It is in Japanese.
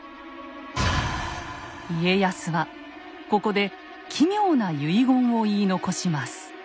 家康はここで奇妙な遺言を言い残します。